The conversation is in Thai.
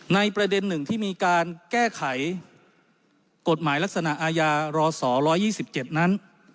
ในประเด็นหนึ่งที่มีการแก้ไขกฎหมายลักษณะอาญารอสอร้อยยี่สิบเจ็ดนั้น